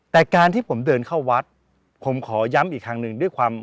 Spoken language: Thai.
แต่การที่ผมเดินเข้าวัดผมขอย้ำอีกครั้งหนึ่งด้วยความ